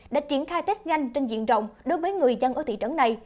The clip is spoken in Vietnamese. đã triển khai test nhanh trên diện rộng đối với người dân ở thị trấn này